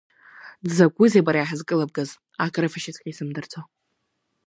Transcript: Дзакәызеи бара иҳазкылыбгаз, акрыфашьаҵәҟьа изымдырӡо?